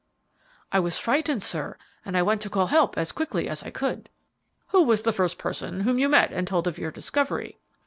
"I was frightened, sir, and I went to call help as quick as I could." "Who was the first person whom you met and told of your discovery?"